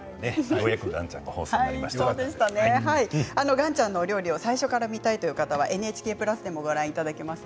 岩ちゃんのお料理最初から見たいという方はＮＨＫプラスでもご覧いただけます。